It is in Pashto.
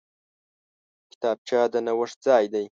کتابچه د نوښت ځای دی